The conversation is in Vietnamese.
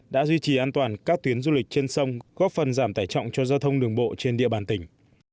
đã duy trì an toàn các tuyến du lịch trên sông góp phần giảm tải trọng cho giao thông đường bộ trên địa bàn tỉnh